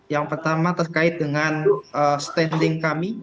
yang pertama terkait dengan standing kami